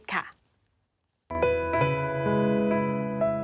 ลูกมาเลยลูกอย่าต้อง